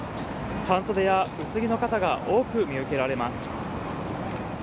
半袖や薄着の方が多く見受けられます。